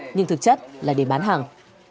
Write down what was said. nhưng thực chất là để bán hàng